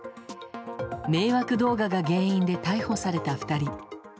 迷惑動画が原因で逮捕された２人。